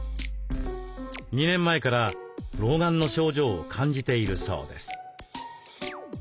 ２年前から老眼の症状を感じているそうです。